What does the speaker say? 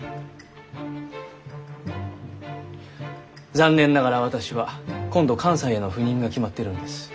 残念ながら私は今度関西への赴任が決まっているんです。